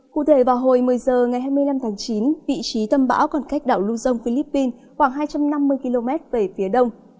cụ thể vào hồi một mươi h ngày hai mươi năm tháng chín vị trí tâm bão còn cách đảo luzon philippines khoảng hai trăm năm mươi km về phía đông